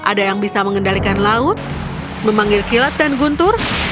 ada yang bisa mengendalikan laut memanggil kilat dan guntur